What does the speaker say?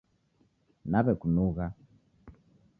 Naw'ekunugha